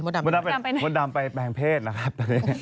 มดดำไปแปลงเพศนะครับ